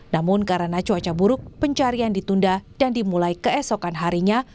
namun karena cuaca buruk pencarian ditunda dan dimulai keesokan harinya